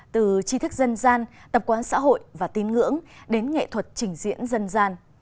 từ chi thức dân gian tập quán xã hội và tín ngưỡng đến nghệ thuật trình diễn dân gian